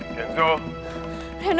iya nanti aku sampein